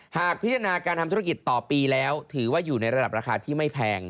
หากพิจารณาการทำธุรกิจต่อปีแล้วถือว่าอยู่ในระดับราคาที่ไม่แพง